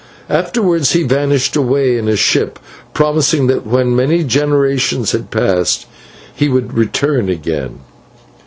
Afterwards he vanished away in a ship, promising that when many generations had passed he would return again.